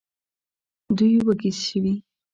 دوی وږي شوو.